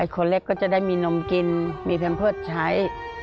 คนเล็กก็จะได้มีนมกินมีแพมเพิร์ตใช้